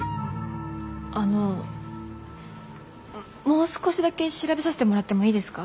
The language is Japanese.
あのもう少しだけ調べさせてもらってもいいですか？